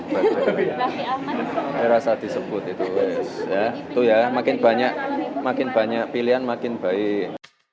bagi ahmad saya rasa disebut itu ya makin banyak pilihan makin baik